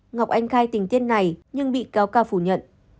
ngọc anh khai tình tiết này nhưng bị cáo ca phủ nhận